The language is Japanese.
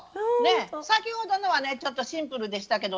先ほどのはねちょっとシンプルでしたけどね